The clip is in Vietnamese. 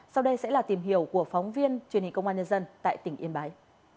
sau đây sẽ là tìm hiểu của phóng viên truyền hình công an nhân dân tại tỉnh yên bái